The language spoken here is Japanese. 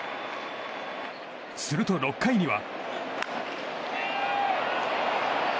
すると６回には。